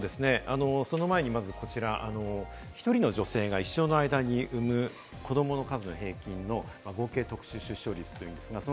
その前にこちら、１人の女性が一生の間に産む子どもの数の平均の合計特殊出生率です。